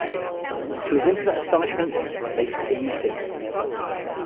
To his infinite astonishment, they seized him.